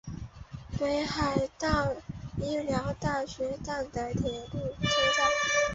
北海道医疗大学站的铁路车站。